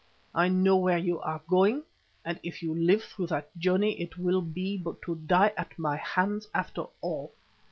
I know where you are going, and if you live through the journey it will be but to die at my hands after all.